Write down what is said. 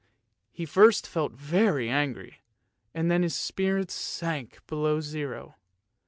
He first felt very angry, and then his spirits sank below zero.